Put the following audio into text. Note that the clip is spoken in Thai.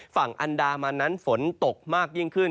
ฝั่งอันดามันนั้นฝนตกมากยิ่งขึ้น